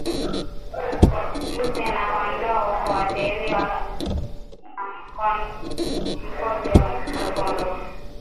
Mbuzi na kondoo huathiriwa na mkojo mwekundu